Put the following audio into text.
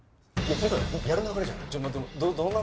やる流れじゃん。